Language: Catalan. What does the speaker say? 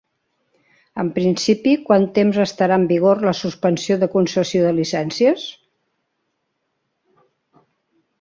En principi quant temps estarà en vigor la suspensió de concessió de llicències?